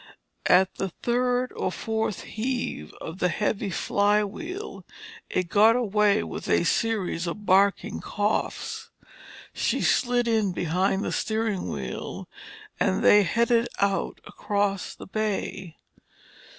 At the third or fourth heave of the heavy flywheel it got away with a series of barking coughs. She slid in behind the steering wheel and they headed out across the bay.